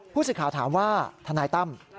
ผู้สื่อข่าวถามว่าทนายตั้ม